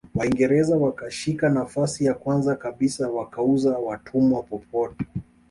Waingereza wakashika nafasi ya kwanza kabisa wakauza watumwa popote